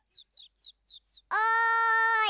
おい！